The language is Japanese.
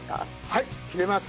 はい切れます。